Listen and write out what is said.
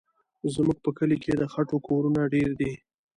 زموږ په کلي کې د خټو کورونه ډېر دي.